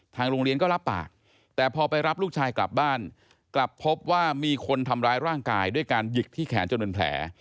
โรงเรียนก็รับปากแต่พอไปรับลูกชายกลับบ้านกลับพบว่ามีคนทำร้ายร่างกายด้วยการหยิกที่แขนจนเป็นแผล